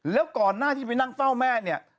แล้วก่อนหน้าที่ไปนั่งเฝ้าแม่เนี่ย